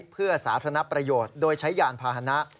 เพื่อสาธารณประโยชน์โดยใช้ยานพาหนะ